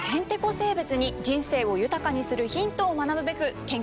生物に人生を豊かにするヒントを学ぶべく研究を続けております。